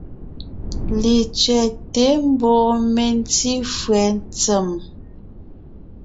Letsẅɛ́te mbɔɔ mentí fÿɛ́ ntsèm.